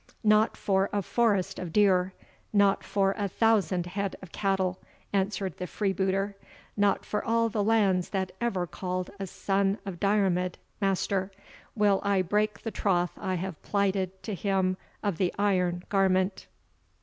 "Not for a forest of deer not for a thousand head of cattle," answered the freebooter; "not for all the lands that ever called a son of Diarmid master, will I break the troth I have plighted to him of the iron garment!"